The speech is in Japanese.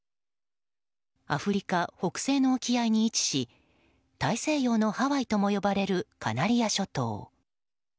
アフリカ北西の沖合に位置し大西洋のハワイとも呼ばれるカナリア諸島。